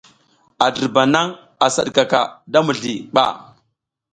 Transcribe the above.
A dirba nang a sa hidkaka da mizli ɓa.